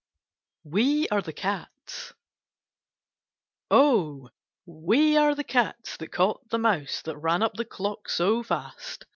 WE ABE THE CATS Oh! we are the cats that caught the mouse. That ran up the clock so fast.